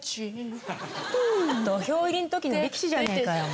土俵入りんときの力士じゃねえかよ。